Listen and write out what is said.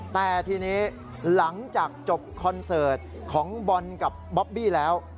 แต่ทีนี้หลังจากจบคอนเสิร์ตของบอลกับบ๊อบบี้แล้ว